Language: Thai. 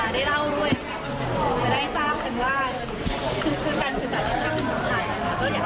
อ๋อนี่เช้านี้คุณเวือกใจจะไปยืนยุคมาครับ